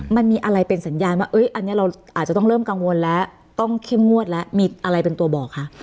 มันมีอะไรเป็นสัญญาณว่าอันนี้เราอาจจะต้องเริ่มกังวลแล้วต้องเข้มงวดแล้วมีอะไรเป็นตัวบอกคะ